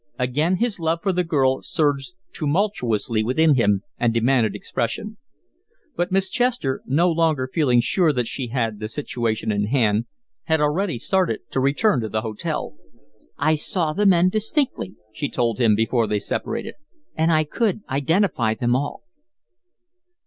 Again his love for the girl surged tumultuously within him and demanded expression. But Miss Chester, no longer feeling sure that she had the situation in hand, had already started to return to the hotel. "I saw the men distinctly," she told him, before they separated, "and I could identify them all."